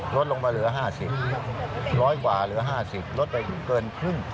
ลดลงมาเหลือ๕๐ลดไปเกินครึ่ง